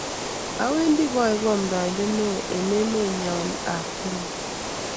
Awendi paeku amndaeindet neo eng emet nyon ab Kenya